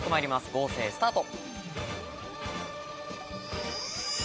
合成スタート。